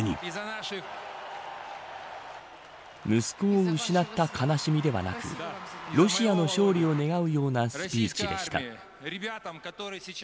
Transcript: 息子を失った悲しみではなくロシアの勝利を願うようなスピーチでした。